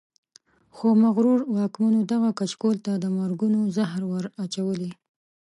خو مغرورو واکمنو دغه کچکول ته د مرګونو زهر ور اچولي.